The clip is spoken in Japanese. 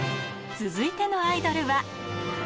続いてのアイドルは。